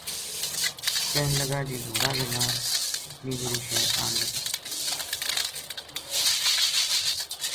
کہن لگا جی گھوڑا کے ناڑ اتنی بڑی شے آن لگی